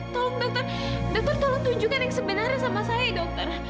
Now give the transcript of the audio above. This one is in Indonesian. tolong dokter dokter tolong tunjukkan yang sebenarnya sama saya dokter